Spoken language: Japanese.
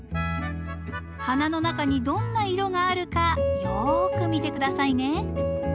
花の中にどんな色があるかよく見て下さいね。